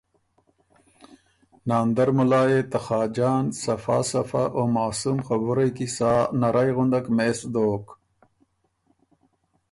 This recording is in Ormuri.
ناندر مُلا يې ته خاجان صفا صفا او معصوم خبُرئ کی سا نرئ غُندک مېس دوک۔